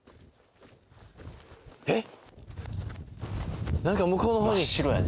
えっ？